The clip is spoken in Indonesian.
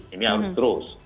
ini harus terus